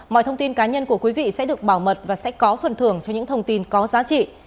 mọi thông tin cá nhân của quý vị sẽ được bảo mật và sẽ có phần thưởng cho những thông tin có giá trị